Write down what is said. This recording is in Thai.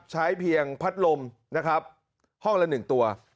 ใช้เพียงพัดลมนะครับห้องละ๑ตัว